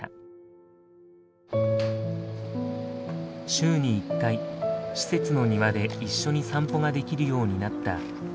週に１回施設の庭で一緒に散歩ができるようになった今。